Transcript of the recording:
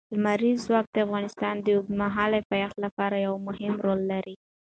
لمریز ځواک د افغانستان د اوږدمهاله پایښت لپاره یو مهم رول لري.